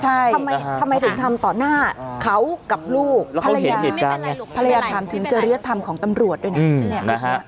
ทำไมถึงทำต่อหน้าเขากับลูกภรรยาภรรยาถามถึงจริยธรรมของตำรวจด้วยนะ